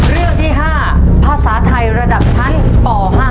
เรื่องที่๕ภาษาไทยระดับชั้นป๕